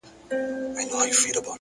هره ناکامي د راتلونکې لارښوونه کوي